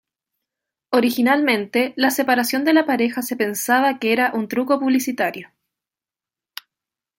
Originalmente, la separación de la pareja se pensaba que era un truco publicitario.